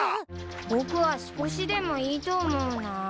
僕は少しでもいいと思うな。